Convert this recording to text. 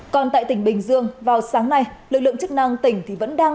còn tại tỉnh bình dương vào sáng nay lực lượng chức năng tỉnh vẫn đang phát triển